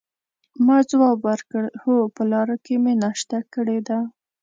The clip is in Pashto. ما ځواب ورکړ: هو، په لاره کې مې ناشته کړې ده.